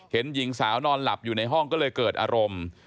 เห็นหญิงสาวนอนหลับอยู่ในห้องก็เลยเกิดอารมณ์